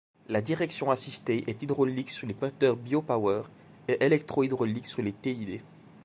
La direction assistée est hydraulique sur les moteurs BioPower, et électro-hydraulique sur les TiD.